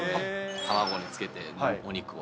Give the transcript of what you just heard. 卵につけて、お肉を。